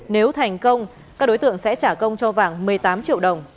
nếu thành công các đối tượng sẽ trả công cho vàng một mươi tám triệu đồng